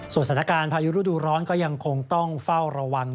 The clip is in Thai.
สถานการณ์พายุฤดูร้อนก็ยังคงต้องเฝ้าระวัง